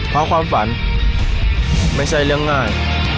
เพราะความฝันไม่ใช่เรื่องง่าย